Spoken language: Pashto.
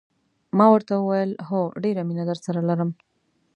ما ورته وویل: هو، ډېره مینه درسره لرم.